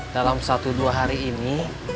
dalam satu dua hari ini